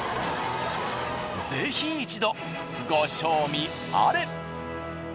ぜひ一度ご賞味あれ。